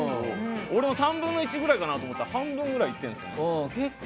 ３分の１くらいかなと思ったら半分くらいいってるんですよね。